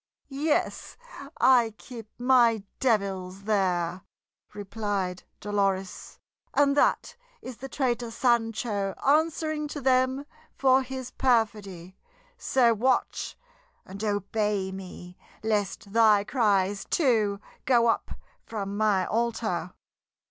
"Yes, I keep my devils there," replied Dolores; "and that is the traitor Sancho answering to them for his perfidy. So watch, and obey me, lest thy cries, too, go up from my altar!"